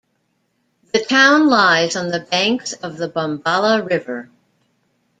The town lies on the banks of the Bombala River.